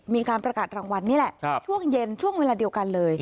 มีการประกาศรางวัลนี้แหละ